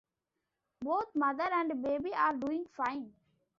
Both mother and baby are doing fine.